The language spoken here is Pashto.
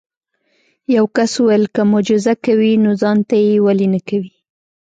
یو کس وویل که معجزه کوي نو ځان ته یې ولې نه کوې.